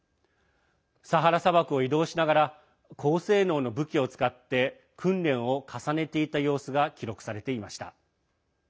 サハラ砂漠を移動しながら高性能の武器を使って訓練を重ねていた様子が記録されていました。